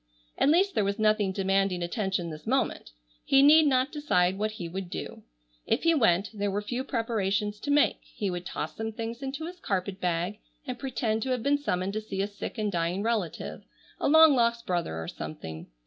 At least there was nothing demanding attention this moment. He need not decide what he would do. If he went there were few preparations to make. He would toss some things into his carpet bag and pretend to have been summoned to see a sick and dying relative, a long lost brother or something.